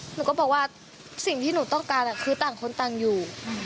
หนูก็บอกว่าสิ่งที่หนูต้องการคือต่างคนต่างอยู่